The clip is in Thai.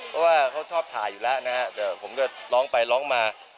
เพราะว่าเขาชอบถ่ายอยู่แล้วนะฮะแต่ผมก็ร้องไปร้องมา